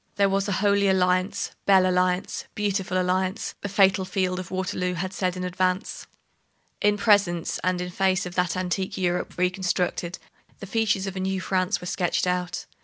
There was a Holy Alliance; Belle Alliance, Beautiful Alliance, the fatal field of Waterloo had said in advance. In presence and in face of that antique Europe reconstructed, the features of a new France were sketched out.